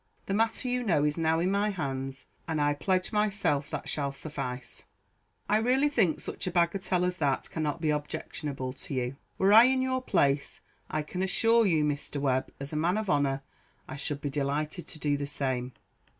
The matter you know is now in my hands, and I pledge myself that shall suffice; I really think such a bagatelle as that cannot be objectionable to you. Were I in your place, I can assure you, Mr. Webb, as a man of honour, I should be delighted to do the same."